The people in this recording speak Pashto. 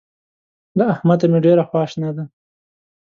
له احمده مې ډېره خواشنه ده.